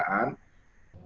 dan kemudian ujung ujungnya